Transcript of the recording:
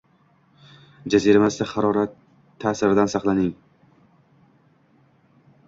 Jazirama issiq harorat ta`siridan saqlaning